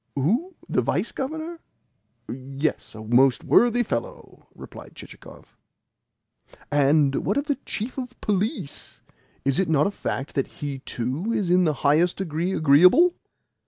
"Who? The Vice Governor? Yes, a most worthy fellow!" replied Chichikov. "And what of the Chief of Police? Is it not a fact that he too is in the highest degree agreeable?"